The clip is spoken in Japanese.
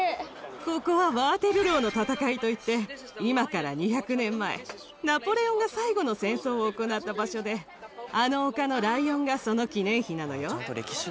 ここはワーテルローの戦いといって今から２００年前ナポレオンが最後の戦争を行った場所であの丘のライオンがその記念碑なのよ。